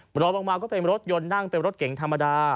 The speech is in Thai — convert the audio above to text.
รอลงมาก็เป็นรถยนต์นั่งเป็นรถเก๋งธรรมดา